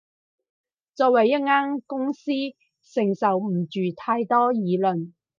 作為一間公司，承受唔住太多輿論